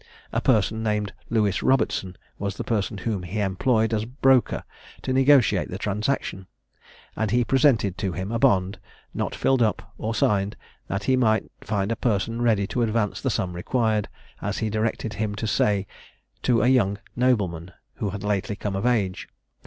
A person named Lewis Robertson was the person whom he employed as broker to negotiate the transaction; and he presented to him a bond, not filled up or signed, that he might find a person ready to advance the sum required, as he directed him to say, to a young nobleman who had lately come of age.